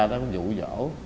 nó vụ vỗ